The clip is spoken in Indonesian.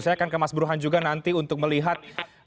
saya akan ke mas buruhan juga nanti untuk melihat